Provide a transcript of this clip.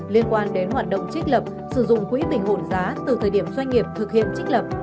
liên quan đến hoạt động trích lập sử dụng quỹ bình ổn giá từ thời điểm doanh nghiệp thực hiện trích lập